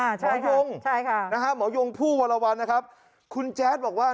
มากเลยใช่ค่ะใช่ค่ะหมอยงผู้วรวรรณนะครับคุณแจ๊ดบอกว่า